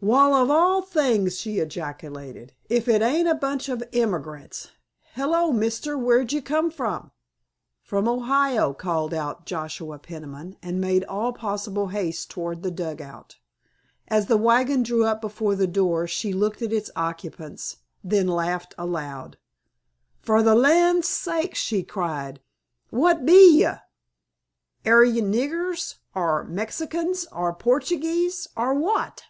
"Wal of all things!" she ejaculated, "if it ain't a bunch o' emigrants! Hello, mister, where'd you come from?" "From Ohio," called out Joshua Peniman, and made all possible haste toward the dugout. As the wagon drew up before the door she looked at its occupants, then laughed aloud. "Fer th' land sakes," she cried; "what be ye? Air ye niggers or Mexicans or Portuguese, or what?"